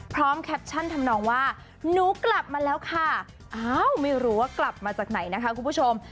แคปชั่นทำนองว่าหนูกลับมาแล้วค่ะอ้าวไม่รู้ว่ากลับมาจากไหนนะคะคุณผู้ชม